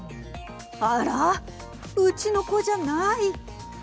あら、うちの子じゃない。